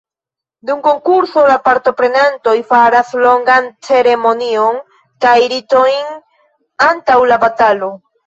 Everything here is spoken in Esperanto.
Dum konkurso, la partoprenantoj faras longan ceremonion kaj ritojn antaŭ la batalo.